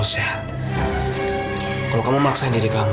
sen kamu pikir dong